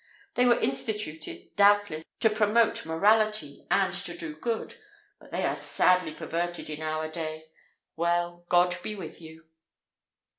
They were instituted, doubtless, to promote morality, and to do good, but they are sadly perverted in our day. Well, God be with you!"